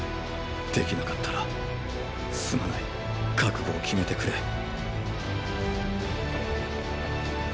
できなかったらすまない覚悟を決めてくれ。